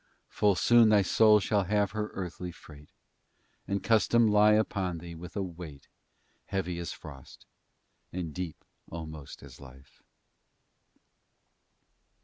Full soon thy Soul shall have her earthly freight, And custom lie upon thee with a weight, Heavy as frost, and deep almost as life!